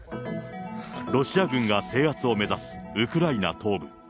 ロシア軍が制圧を目指すウクライナ東部。